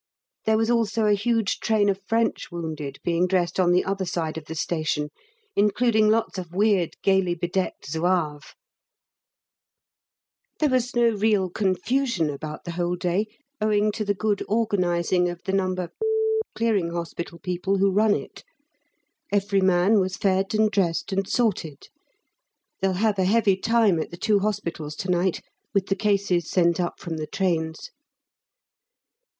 There was also a huge train of French wounded being dressed on the other side of the station, including lots of weird, gaily bedecked Zouaves. There was no real confusion about the whole day, owing to the good organising of the No. Clearing Hospital people who run it. Every man was fed, and dressed and sorted. They'll have a heavy time at the two hospitals to night with the cases sent up from the trains.